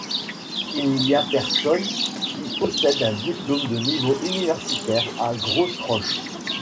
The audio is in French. Il n'y a personne qui possède un diplôme de niveau universitaire à Grosses-Roches.